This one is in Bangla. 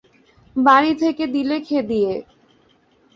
বাড়ি থেকে দিলে খেদিয়ে।